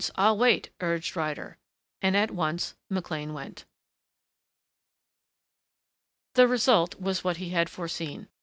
I'll wait," urged Ryder. And at once McLean went. The result was what he had foreseen.